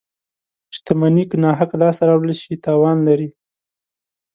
• شتمني که ناحقه لاسته راوړل شي، تاوان لري.